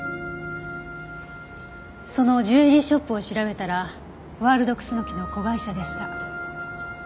そのジュエリーショップを調べたらワールドクスノキの子会社でした。